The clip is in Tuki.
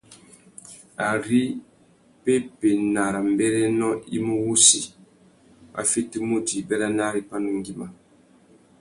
Ari pepenarâmbérénô i mú wussi, wa fitimú djï béranari pandú ngüima.